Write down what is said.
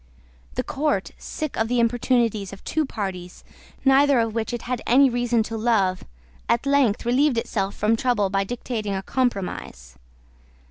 The court, sick of the importunities of two parties, neither of which it had any reason to love, at length relieved itself from trouble by dictating a compromise.